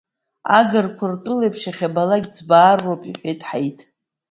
Агырқәа ртәыла еиԥш иахьабалак ӡбаароуп иҳәеит Ҳаиҭ.